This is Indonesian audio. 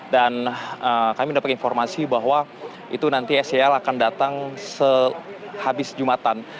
dan kami mendapatkan informasi bahwa itu nanti sel akan datang sehabis jumatan